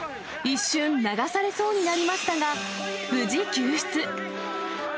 一瞬、流されそうになりましたが、無事救出。